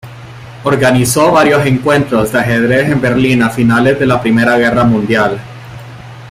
Organizó varios encuentros de Ajedrez en Berlín a finales de la Primera Guerra Mundial.